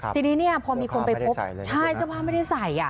ทีนี้เนี่ยพอมีคนไปพบใช่สภาพไม่ได้ใส่อ่ะ